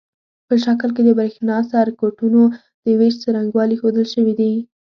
په شکل کې د برېښنا سرکټونو د وېش څرنګوالي ښودل شوي دي.